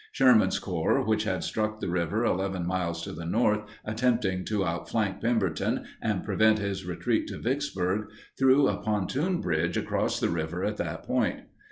Sherman's Corps, which had struck the river 11 miles to the north attempting to outflank Pemberton and prevent his retreat to Vicksburg, threw a pontoon bridge across the river at that point.